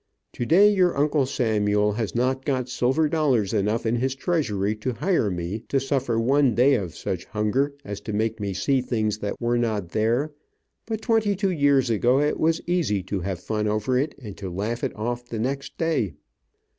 Today, your Uncle Samuel has not got silver dollars enough in his treasury to hire me to suffer one day of such hunger as to make me see things that were not there, but twenty two years ago it was easy to have fun over it, and to laugh it off the next day.